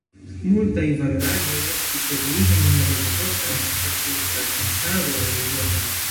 Multaj valoraĵoj estis detruitaj dum la mezepoka statufrakasado en Eŭropo.